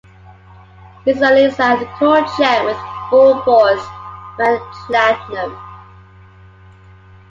"Lisa Lisa and Cult Jam with Full Force" went platinum.